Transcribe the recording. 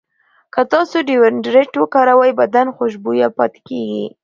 که تاسو ډیوډرنټ وکاروئ، بدن خوشبویه پاتې کېږي.